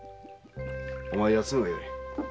お前休むがよい。